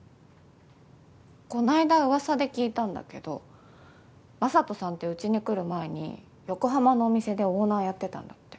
こないだうわさで聞いたんだけどＭａｓａｔｏさんってうちに来る前に横浜のお店でオーナーやってたんだって。